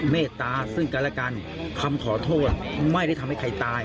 เมตตาซึ่งกันและกันคำขอโทษไม่ได้ทำให้ใครตาย